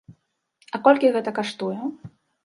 А колькі гэта каштуе?